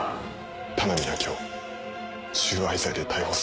田波秋生収賄罪で逮捕する。